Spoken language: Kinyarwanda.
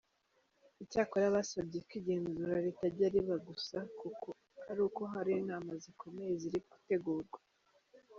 Icyakora basabye ko igenzura ritajya riba gusa ari uko hari inama zikomeye ziri gutegurwa.